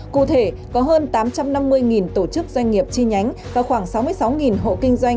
cụ thể có hơn tám trăm năm mươi tổ chức doanh nghiệp chi nhánh và khoảng sáu mươi sáu hộ kinh doanh